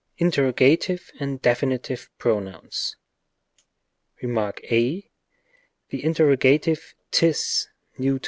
Interrogative and indefinite pronouns. Rem. a. The interrogative ris, neut.